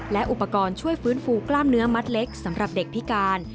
และอุปกรณ์ช่วยฟื้นฟูกล้ามเนื้อมัดเล็กสำหรับเด็กพิการ